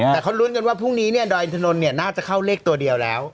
แต่เขาลุ้นกันว่าพรุ่งนี้เนี่ยดอยอินทนนท์น่าจะเข้าเลขตัวเดียวแล้ว